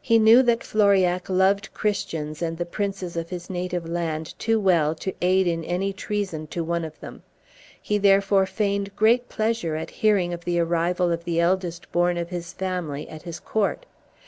He knew that Floriac loved Christians and the princes of his native land too well to aid in any treason to one of them; he therefore feigned great pleasure at hearing of the arrival of the eldest born of his family at his court.